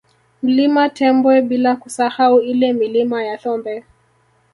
Mlima Tembwe bila kusahau ile Milima ya Thombe